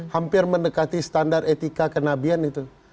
hampir mendekati standar etika kenabian itu